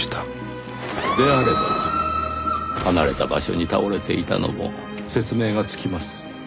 であれば離れた場所に倒れていたのも説明がつきます。